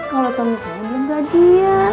kalau suami suami beli gaji ya